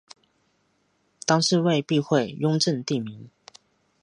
当是为避讳雍正帝名。